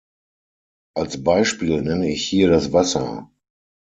Als Beispiel nenne ich hier das Wasser.